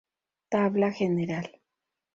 Tabla general